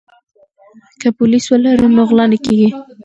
که پولیس ولرو نو غلا نه کیږي.